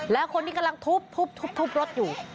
และคนที่กำลังทุบทุบทุบทุบรถอยู่